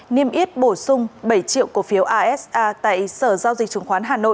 niêm yết bổ sung bảy triệu cổ phiếu asa tại sở giao dịch chứng khoán hà nội